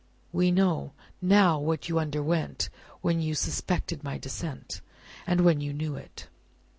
We know, now what you underwent when you suspected my descent, and when you knew it.